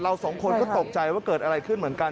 สองคนก็ตกใจว่าเกิดอะไรขึ้นเหมือนกัน